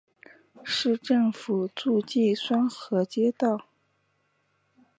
市政府驻地双河街道。